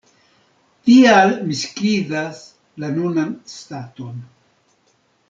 Tial mi skizas la nunan staton.